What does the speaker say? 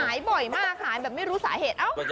หายบ่อยมากหายแบบไม่รู้สาเหตุ